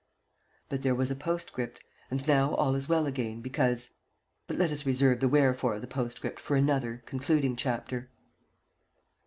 But there was a postscript, and now all is well again, because but let us reserve the wherefore of the postscript for another, concluding chapter.